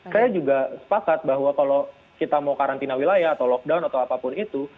saya juga sepakat bahwa kalau kita mau karantina wilayah atau lockdown atau apapun itu